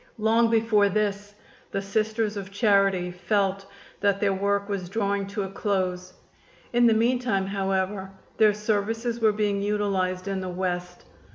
Long before this the Sisters of Charity felt that their work was drawing to a close. In the meantime, however, their services were being utilized in the West.